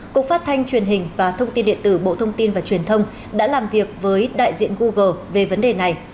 cục phát thanh truyền hình và thông tin điện tử bộ thông tin và truyền thông đã làm việc với đại diện google về vấn đề này